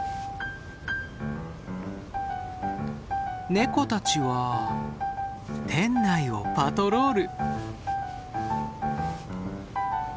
ネコたちは店内をパトロール。